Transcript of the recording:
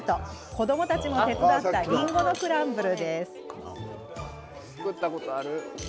子どもたちも手伝ったりんごのクランブルです。